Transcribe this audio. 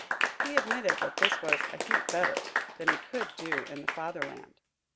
He admitted that this was "a heap better" than he could do in the fatherland.